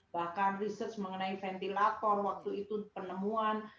bahkan research mengenai ventilator waktu itu penemuan